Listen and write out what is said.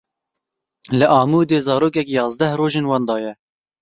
Li Amûdê zarokek yazdeh roj in wenda ye.